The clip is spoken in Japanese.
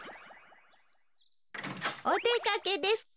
おでかけですか？